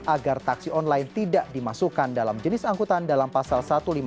agar taksi online tidak dimasukkan dalam jenis angkutan dalam pasal satu ratus lima puluh